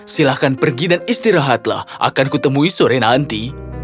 silahkan pergi dan istirahatlah akanku temui sore nanti